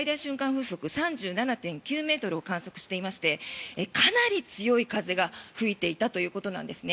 風速３７．９ｍを観測していましてかなり強い風が吹いていたということなんです。